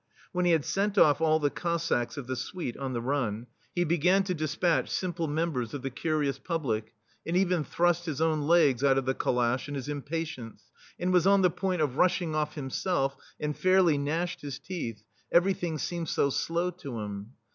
When he had sent oflF all the Cos sacks of the Suite on the run, he be THE STEEL FLEA gan to despatch simple members of the curious public, and even thrust his own legs out of the calash in his impa tience, and was on the point of rush ing off himself, and fairly gnashed his teeth — everything seemed so slow to him.